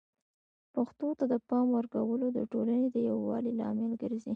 پښتو ته د پام ورکول د ټولنې د یووالي لامل ګرځي.